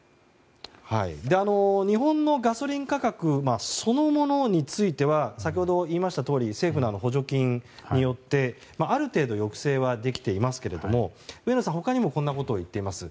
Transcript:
日本のガソリン価格そのものについては先ほど言いましたとおり政府の補助金によってある程度抑制はできていますけれども上野さん、他にもこんなことを言っています。